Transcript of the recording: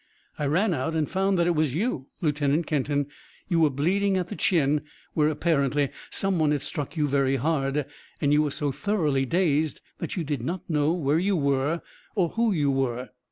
I ran out and found that it was you, Lieutenant Kenton. You were bleeding at the chin, where apparently some one had struck you very hard, and you were so thoroughly dazed that you did not know where you were or who you were."